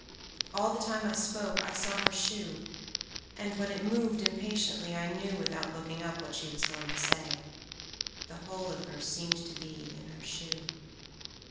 All the time I spoke I saw her shoe and when it moved impatiently I knew without looking up what she was going to say: the whole of her seemed to be in her shoe.